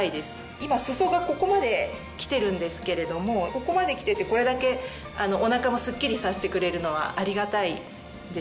今裾がここまで来てるんですけれどもここまで来ててこれだけお腹もすっきりさせてくれるのはありがたいです。